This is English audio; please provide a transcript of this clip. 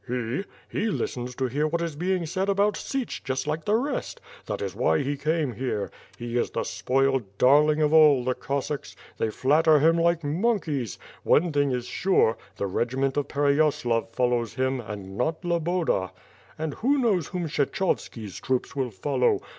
"He? He listens to hear what is being said about Sich just like the rest. That is why he came here. He is the spoiled darling of all the Cossacks. They flatter him like monkeys. One thing is sure; the regiment of Pereyaslav follows him, and not Loboda. And who knows whom Kshechovski's troops will follow.